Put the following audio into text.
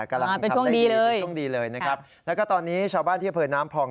กำลังทำได้ดีเป็นช่วงดีเลยนะครับแล้วก็ตอนนี้ชาวบ้านที่อำเภอน้ำพอง